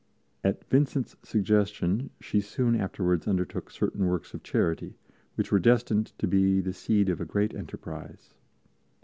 At Vincent's suggestion she soon afterwards undertook certain works of charity, which were destined to be the seed of a great enterprise.